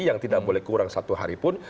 yang tidak boleh kurang satu hari pun